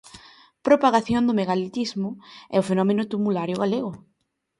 Propagación do megalitismo e o fenómeno tumulario galego.